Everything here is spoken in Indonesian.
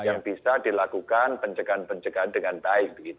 yang bisa dilakukan pencegahan pencegahan dengan baik